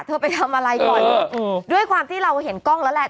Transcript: ไปทำอะไรก่อนด้วยความที่เราเห็นกล้องแล้วแหละ